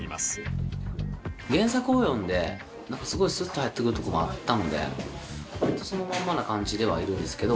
原作を読んですごいスッと入ってくるとこもあったので割とそのままな感じではいるんですけど。